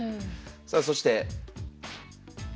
さあそして。